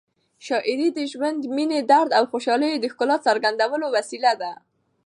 شاعري د ژوند، مینې، درد او خوشحالیو د ښکلا څرګندولو وسیله ده.